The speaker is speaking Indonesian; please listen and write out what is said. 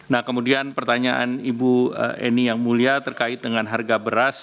nah kemudian pertanyaan ibu eni yang mulia terkait dengan harga beras